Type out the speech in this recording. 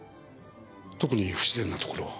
特に不自然なところは。